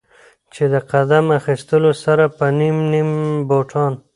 چې د قدم اخيستو سره به نيم نيم بوټان